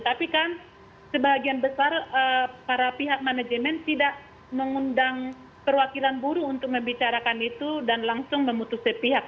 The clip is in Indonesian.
tapi kan sebagian besar para pihak manajemen tidak mengundang perwakilan buruh untuk membicarakan itu dan langsung memutus sepihak